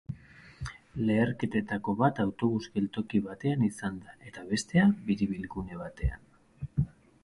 Leherketetako bat autobus geltoki batean izan da, eta bestea biribilgune batean.